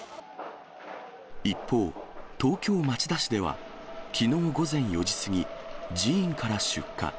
一方、東京・町田市では、きのう午前４時過ぎ、寺院から出火。